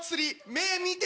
目見て！